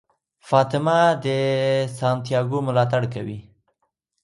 فاطمه د سانتیاګو ملاتړ کوي.